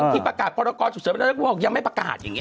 ที่ประกาศยังไม่ประกาศอย่างนี้